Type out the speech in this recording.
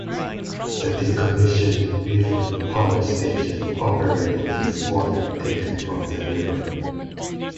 The decommissioned Reefton Power Station operated with water taken from the river.